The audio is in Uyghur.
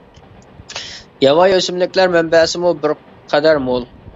ياۋايى ئۆسۈملۈكلەر مەنبەسىمۇ بىر قەدەر مول.